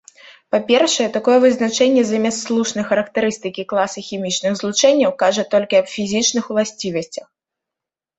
Па-першае, такое вызначэнне замест слушнай характарыстыкі класа хімічных злучэнняў кажа толькі аб фізічных уласцівасцях.